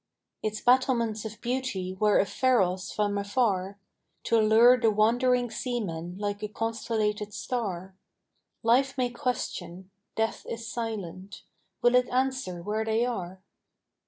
Its battlements of beauty were a pharos from afar, To lure the wandering seamen like a constellated star: Life may question: death is silent: will it answer where they are?